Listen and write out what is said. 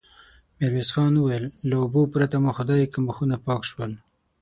ميرويس خان وويل: له اوبو پرته مو خدايکه مخونه پاک شول.